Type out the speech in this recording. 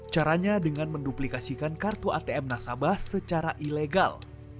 caranya dengan menduplikasikan kartu atm nasabah secara ilegal